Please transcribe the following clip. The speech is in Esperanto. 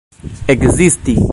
ekzisti